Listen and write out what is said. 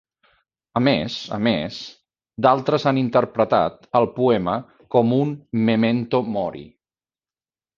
A més a més, d'altres han interpretat el poema com un Memento Mori.